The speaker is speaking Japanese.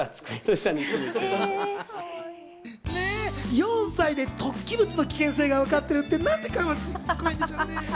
４歳で突起物の危険性がわかってるって、なんてかわいいんでしょうね。